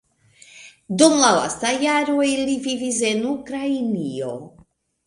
Dum la lastaj jaroj li vivis en Ukrainio.